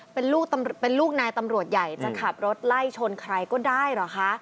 เป็นลูกเป็นลูกนายตำรวจใหญ่จะขับรถไล่ชนใครก็ได้เหรอคะ